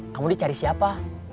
kamu dicari siapa